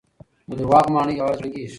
د دروغو ماڼۍ يوه ورځ ړنګېږي.